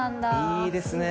いいですね。